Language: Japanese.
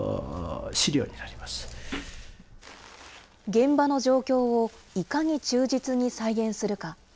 現場の状況をいかに忠実に再現するか。